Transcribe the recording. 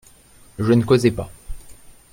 Je ne causais pas.